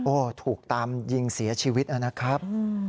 โอ้โหถูกตามยิงเสียชีวิตนะครับ